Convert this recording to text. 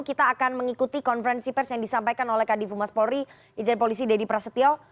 kita akan mengikuti konferensi pers yang disampaikan oleh kadifu mas polri ijen polisi dedy prasetyo